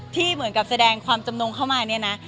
ที่เหมือนกับแสดงความจำนงเข้ามาเนี่ยนะ